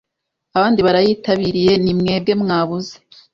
abandi barayitabiriye nimwebwe mwabuze